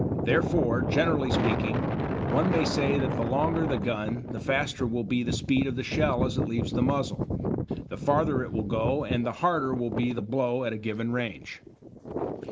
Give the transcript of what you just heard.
Therefore, generally speaking, one may say that the longer the gun the faster will be the speed of the shell as it leaves the muzzle, the farther will it go and the harder will be the blow at a given range.